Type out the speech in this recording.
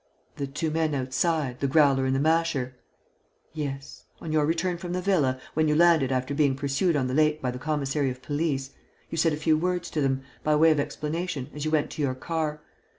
"The two men outside: the Growler and the Masher?" "Yes. On your return from the villa, when you landed after being pursued on the lake by the commissary of police, you said a few words to them, by way of explanation, as you went to your car.